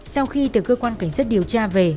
sau khi từ cơ quan cảnh sát điều tra về